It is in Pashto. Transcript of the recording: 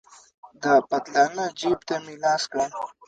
د پتلانه جيب ته مې لاس کړ.